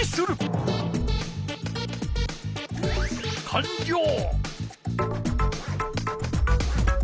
かんりょう！